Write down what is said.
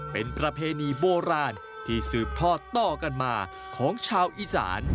เป็นประเพณีโบราณที่สืบทอดต่อกันมาของชาวอีสาน